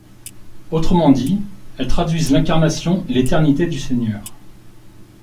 Autrement dit, elles traduisent l'incarnation et l'éternité du Seigneur.